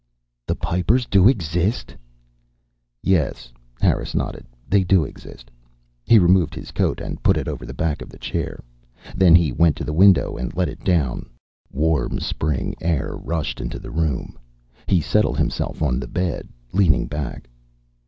"The Pipers do exist?" "Yes." Harris nodded. "They do exist." He removed his coat and put it over the back of the chair. Then he went to the window and let it down. Warm spring air rushed into the room. He settled himself on the bed, leaning back.